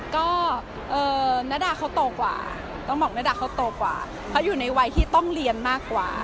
ก็ณดาเขาโตกว่าต้องบอกณดาเขาโตกว่าเขาอยู่ในวัยที่ต้องเรียนมากกว่า